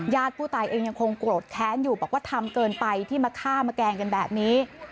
ผู้ตายเองยังคงโกรธแค้นอยู่บอกว่าทำเกินไปที่มาฆ่ามาแกล้งกันแบบนี้